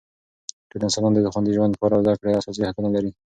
ټول انسانان د خوندي ژوند، کار او زده کړې اساسي حقونه لري.